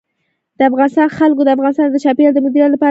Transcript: د افغانستان جلکو د افغانستان د چاپیریال د مدیریت لپاره مهم دي.